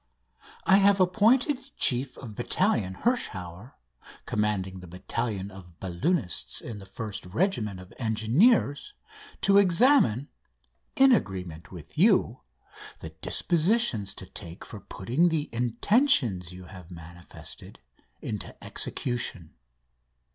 I have appointed Chief of Battalion Hirschauer, commanding the Battalion of Balloonists in the First Regiment of Engineers, to examine, in agreement with you, the dispositions to take for putting the intentions you have manifested into execution.